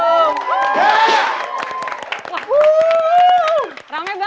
wah rame banget juga di kameranya